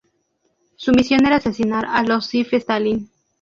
Su misión era asesinar a Iósif Stalin.